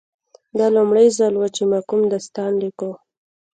دا لومړی ځل و چې ما کوم داستان لیکه